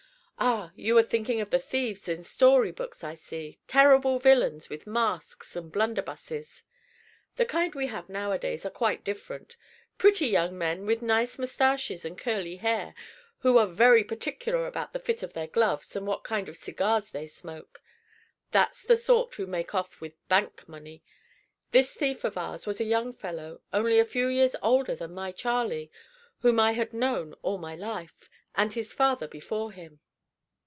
Ah, you are thinking of the thieves in story books, I see, terrible villains with masks and blunderbusses. The kind we have nowadays are quite different, pretty young men, with nice mustaches and curly hair, who are very particular about the fit of their gloves and what kind of cigars they smoke. That's the sort who make off with bank money. This thief of ours was a young fellow, only a few years older than my Charley, whom I had known all my life, and his father before him.